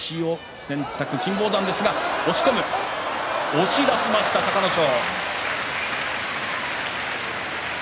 押し出しました、隆の勝。